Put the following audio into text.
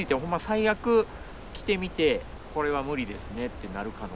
最悪来てみてこれは無理ですねってなる可能性も十分ありました。